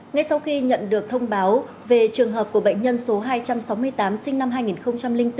ngay sau khi nhận được thông báo về trường hợp của bệnh nhân số hai trăm sáu mươi tám sinh năm hai nghìn bốn